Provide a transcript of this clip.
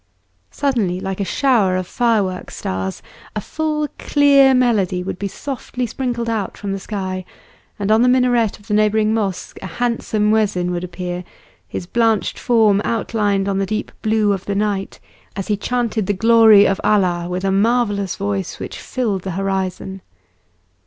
Suddenly, like a shower of firework stars, a full, clear melody would be softly sprinkled out from the sky, and on the minaret of the neighbouring mosque a handsome muezzin would appear, his blanched form outlined on the deep blue of the night, as he chanted the glory of Allah with a marvellous voice, which filled the horizon.